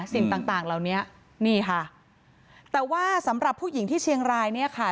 สิ่งต่างต่างเหล่านี้นี่ค่ะแต่ว่าสำหรับผู้หญิงที่เชียงรายเนี่ยค่ะ